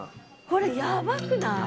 これやばくない？